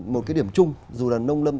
một cái điểm chung dù là nông lâm